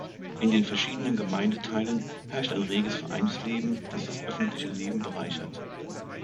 In den verschiedenen Gemeindeteilen herrscht ein reges Vereinsleben, dass das öffentliche Leben bereichert.